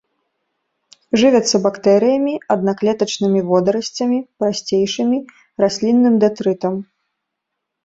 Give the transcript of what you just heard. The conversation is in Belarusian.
Жывяцца бактэрыямі, аднаклетачнымі водарасцямі, прасцейшымі, раслінным дэтрытам.